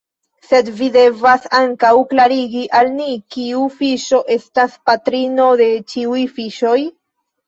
Sed vi devas ankaŭ klarigi al ni: kiu fiŝo estas patrino de ĉiuj fiŝoj?